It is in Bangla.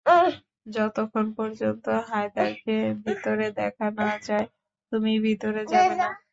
যতক্ষণ পর্যন্ত হায়দারকে ভিতরে দেখা না যায়, তুমি ভিতরে যাবে না।